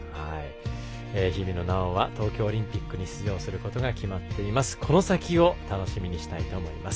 日比野菜緒は東京オリンピックに出場することが決まっています。